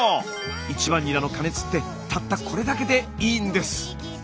１番ニラの加熱ってたったこれだけでいいんです。